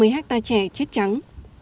ba mươi hectare chè chết trắng